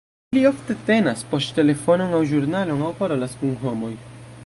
Ili ofte tenas poŝtelefonon, aŭ ĵurnalon, aŭ parolas kun homoj.